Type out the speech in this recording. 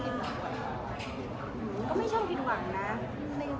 ก็ไม่ชอบผิดหวังนะ